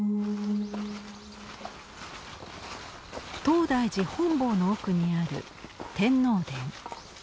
東大寺本坊の奥にある天皇殿。